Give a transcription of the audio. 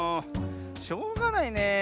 しょうがないねえ。